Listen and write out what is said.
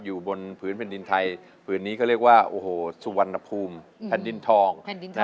อยู่บนพื้นแผ่นดินไทยพื้นนี้ก็เรียกว่าสุวรรณภูมิแผ่นดินทอง